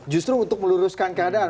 justru untuk meluruskan keadaan